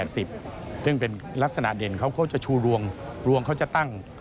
ซึ่งเป็นลักษณะเด่นเขาก็จะชูรวงเขาจะตั้ง